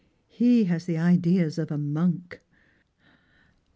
He has the ideas of a monk."